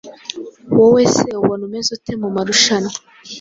Wowe se ubona umeze ute mu marushanwa?